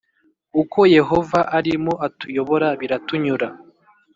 Uko Yehova arimo atuyobora biratunyura